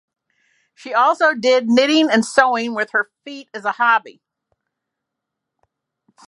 She also did knitting and sewing with her feet as a hobby.